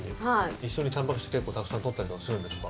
一緒にたんぱく質結構たくさん取ったりとかするんですか？